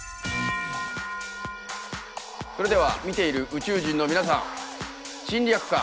それでは見ている宇宙人の皆さん侵略か。